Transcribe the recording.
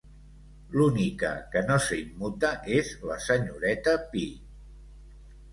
L'única que no s'immuta és la senyoreta Pi.